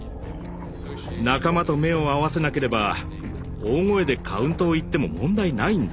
仲間と目を合わせなければ大声でカウントを言っても問題ないんだ。